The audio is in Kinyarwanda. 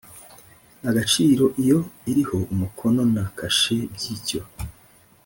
agaciro iyo iriho umukono na kashe by icyo